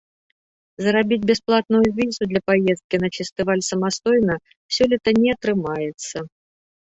Зрабіць бясплатную візу для паездкі на фестываль самастойна сёлета не атрымаецца.